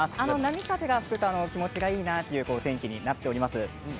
風が吹くと気持ちいいなというお天気になっています。